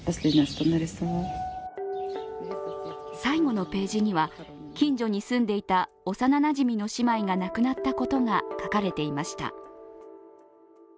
最後のページには近所に住んでいた幼なじみの姉妹が亡くなったことが書かれていました。